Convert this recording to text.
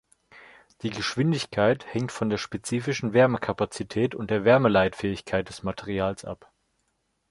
Die Geschwindigkeit hängt von der spezifischen Wärmekapazität und der Wärmeleitfähigkeit des Materials ab.